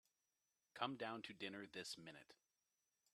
Come down to dinner this minute.